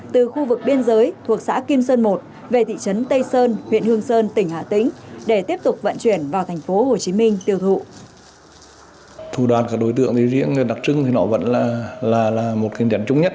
từ khu vực biên giới thuộc xã kim sơn một về thị trấn tây sơn huyện hương sơn tỉnh hà tĩnh